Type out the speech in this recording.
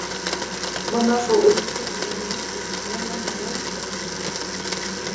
Бына шул өлөшкә эләгәйем тип хыяллана ла инде Әмилә.